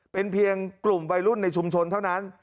เป็นเพียงกลุ่มวัยรุ่นในชุมชนเท่านั้น